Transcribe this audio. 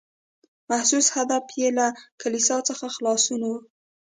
محسوس هدف یې له کلیسا څخه خلاصون و.